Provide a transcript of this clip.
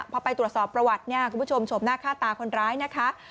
พอไปตรวจสอบประวัติเนี่ยคุณผู้ชมชมหน้าค่าตาคนร้ายนะคะ